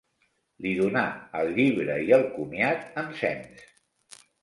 Li donà el llibre i el comiat ensems.